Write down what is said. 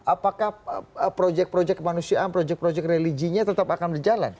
apakah projek projek manusia projek projek religinya tetap akan berjalan